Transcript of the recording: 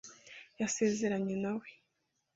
yasezeranye na we